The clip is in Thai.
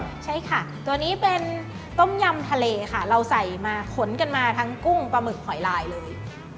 ใช่ค่ะตัวนี้เป็นต้มยำทะเลค่ะเราใส่มาขนกันมาทั้งกุ้งปลาหมึกหอยลายเลย